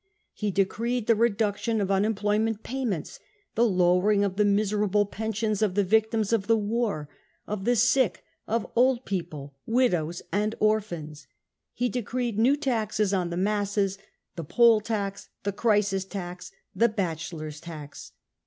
He decreed the reduction of unemployment payments, the lowering of the miserable pensions of the victims of the war, of the ^ck, of old people, widows and orphans. He decreed new taxes on the masses ; the poll tax, the crisis tax, the bachelors tax.